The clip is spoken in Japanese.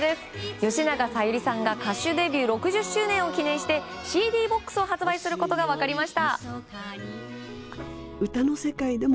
吉永小百合さんが歌手デビュー６０周年を記念してＣＤボックスを発売することが分かりました。